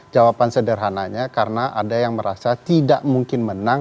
jawaban sederhananya karena ada yang merasa tidak mungkin menang